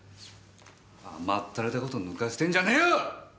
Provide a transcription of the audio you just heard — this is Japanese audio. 甘ったれた事抜かしてんじゃねえよ！！